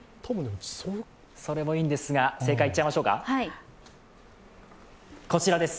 それもいいんですが正解、言っちゃいましょうか、こちらです。